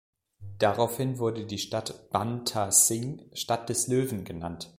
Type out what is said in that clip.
Daraufhin wurde die Stadt Ban Tha Singh, Stadt des Löwen, genannt.